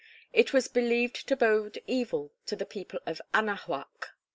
It was believed to bode evil to the people of Anahuac.